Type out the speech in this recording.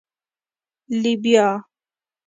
🫘 لبیا